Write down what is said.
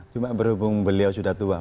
cuma berhubung beliau sudah tua